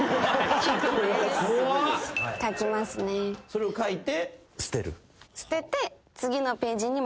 それを書いて捨てる？